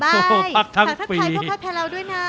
บ๊ายขอบคุณปลายพวกพ่อแผนเราด้วยนะ